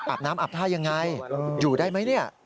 อับน้ำอับท่ายังไงอยู่ได้ไหม